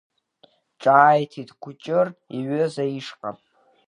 Ҿааиҭит Кәҷыр иҩыза ишҟа.